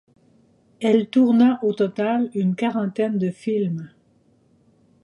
Elle tourna au total une quarantaine de films.